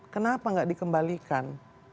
kenapa gak dikembalikan